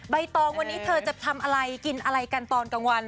ตองวันนี้เธอจะทำอะไรกินอะไรกันตอนกลางวัน